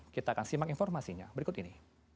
kita akan simak informasinya berikut ini